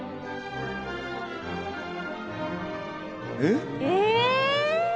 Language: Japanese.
えっ？